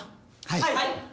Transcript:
はい！